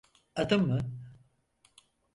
Adım mı?